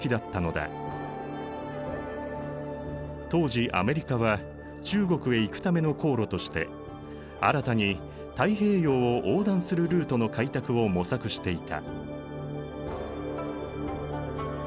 当時アメリカは中国へ行くための航路として新たに太平洋を横断するルートの開拓を模索していた。